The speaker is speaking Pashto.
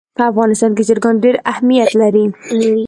په افغانستان کې چرګان ډېر اهمیت لري.